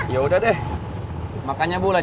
yaudah deh makanya bulan